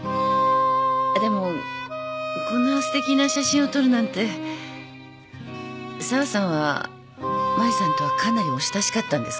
でもこんなすてきな写真を撮るなんて沢さんはマリさんとはかなりお親しかったんですか？